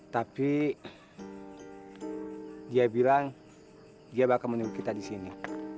tapi dia bilang dia bakal menunggu kita di sini